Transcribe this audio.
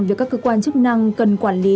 việc các cơ quan chức năng cần quản lý